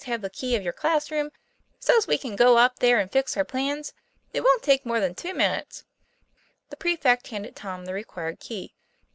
183 have the key of your class room, so's we can go up there and fix our plans? It wont take more than two minutes." The prefect handed Tom the required key.